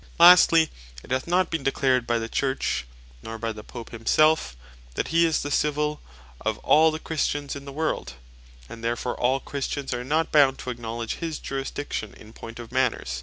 Lastly, it hath not been declared by the Church, nor by the Pope himselfe, that he is the Civill Soveraign of all the Christians in the world; and therefore all Christians are not bound to acknowledge his Jurisdiction in point of Manners.